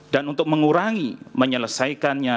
dan untuk mengurangi menyelesaikannya